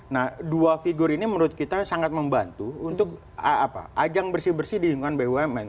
nah dua figur ini menurut kita sangat membantu untuk ajang bersih bersih di lingkungan bumn